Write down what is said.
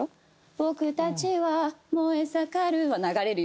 「僕たちは燃え盛る」は流れるように歌う。